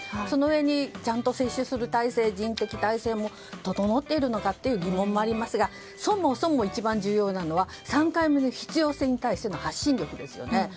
そのうえにちゃんと接種する体制、人員的体制も整っているのかという疑問もありますがそもそも一番重要なのは３回目の必要性に対しての発信力ですよね。